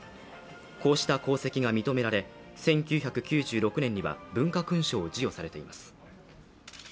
こうした功績が認められ１９９６年には文化勲章を授与されています。